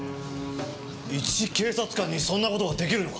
一警察官にそんな事ができるのか？